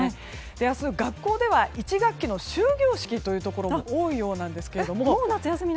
明日、学校では１学期の終業式というところも多いようなんですけど